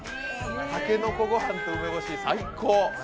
たけのこ御飯と梅干し最高。